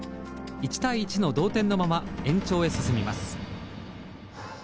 １対１の同点のまま延長へ進みます。